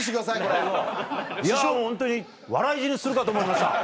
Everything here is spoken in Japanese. いやもうホントに笑い死にするかと思いました。